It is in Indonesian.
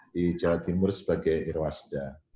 di jawa timur sebagai irwasda